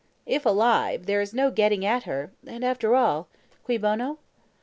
"If alive, there is no getting at her, and after all CUI BONO?"